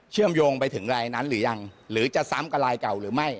มโยงไปถึงรายนั้นหรือยังหรือจะซ้ำกับรายเก่าหรือไม่